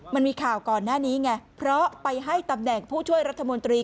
มันมีข่าวก่อนหน้านี้ไงเพราะไปให้ตำแหน่งผู้ช่วยรัฐมนตรี